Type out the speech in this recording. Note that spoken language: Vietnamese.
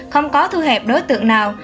không có thu hẹp đối tượng nào